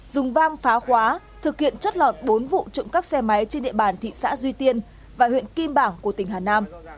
dùng vam phá khóa thực hiện chất lọt bốn vụ trộm cắp xe máy trên địa bàn thị xã duy tiên và huyện kim bảng của tỉnh hà nam